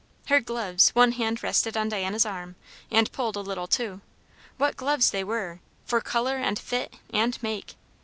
Her gloves, one hand rested on Diana's arm, and pulled a little too; what gloves they were, for colour and fit and make!